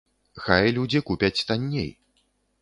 Хай людзі купяць танней.